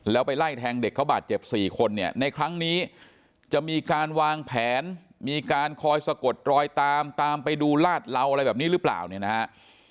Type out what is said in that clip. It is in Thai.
แล้วไปไล่แทงเด็กเขาบาดเจ็บ๔คนเนี่ยในครั้งนี้จะมีการวางแผนมีการคอยสะกดรอยตามตามไปดูลาดเหลาอะไรแบบนี้หรือเปล่าเนี่ยนะฮะ